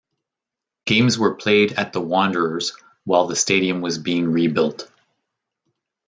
Games were played at the Wanderers while the stadium was being rebuilt.